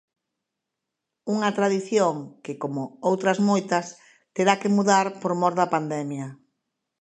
Unha tradición que como outras moitas terá que mudar por mor da pandemia.